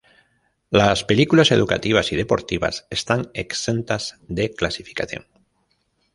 Las películas educativas y deportivas están exentas de clasificación.